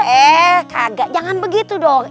eh kaget jangan begitu dong